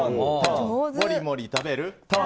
モリモリたべる。